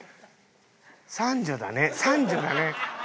三女だね三女だね。